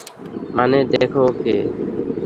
মানে, দেখো ওকে।